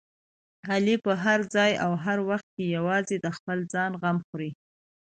علي په هر ځای او هر وخت کې یوازې د خپل ځان غمه خوري.